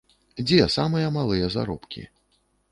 Дзе самыя малыя заробкі?